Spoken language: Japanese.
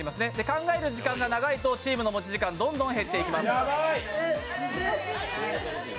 考える時間が長いと、チームの持ち時間どんどん減っていきます。